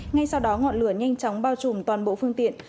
ngay sau đó ngọn lửa nhanh chóng bao trùm toàn bộ phương tiện